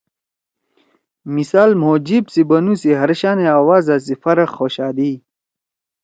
مثالمھو جیِب سی بنُو سی ہر شانے آوازا سی فرق خوشا دی!